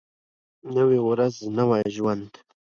نوی ورځ نوی ژوند.